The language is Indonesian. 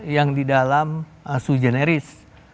yang di dalam sui generis